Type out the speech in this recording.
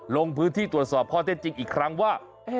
ลงพื้นที่ตรวจสอบข้อเท็จจริงอีกครั้งว่า